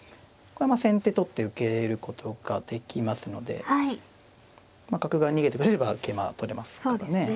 これはまあ先手取って受けることができますので角が逃げてくれれば桂馬取れますからね。